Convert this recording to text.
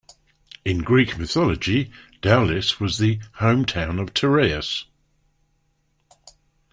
In Greek mythology, Daulis was the hometown of Tereus.